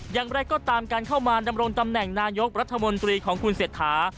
อย่างไรก็ตามการเข้ามาดำรงตำแหน่งนายกรัฐมนตรีของคุณเศรษฐา